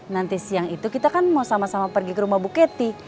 nanti siang itu kita kan mau sama sama pergi ke rumah bu ketty